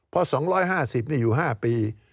เพราะ๒๕๐นี่อยู่๕ปี